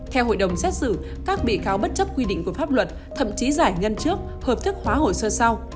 theo hội đồng xét xử các bị cáo bất chấp quy định của pháp luật thậm chí giải ngân trước hợp thức hóa hồ sơ sau